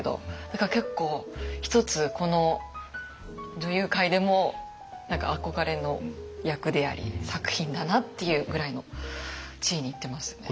だから結構一つこの女優界でも何か憧れの役であり作品だなっていうぐらいの地位にいってますよね。